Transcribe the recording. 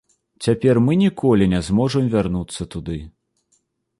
Цяпер мы ніколі не зможам вярнуцца туды.